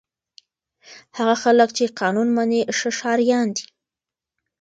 هغه خلک چې قانون مني ښه ښاریان دي.